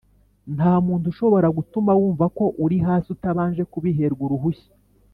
“nta muntu ushobora gutuma wumva ko uri hasi utabanje kubiherwa uruhushya.”